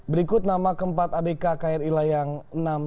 berikut nama keempat abk kri layang enam ratus tiga puluh lima yang hilang